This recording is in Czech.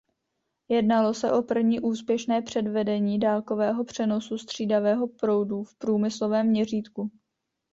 Jednalo se o první úspěšné předvedení dálkového přenosu střídavého proudu v průmyslovém měřítku.